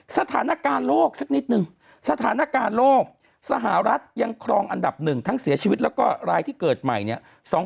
สถานการณ์โลกสักนิดนึงสถานการณ์โลกสหรัฐยังครองอันดับ๑ทั้งเสียชีวิตแล้วก็รายที่เกิดใหม่เนี่ย